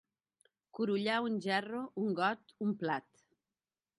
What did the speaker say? Curullar un gerro, un got, un plat.